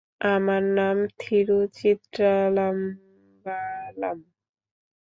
আমার নাম থিরুচিত্রাম্বালাম।